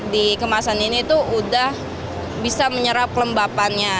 di kemasan ini tuh udah bisa menyerap kelembapannya